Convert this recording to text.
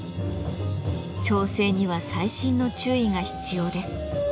調整には細心の注意が必要です。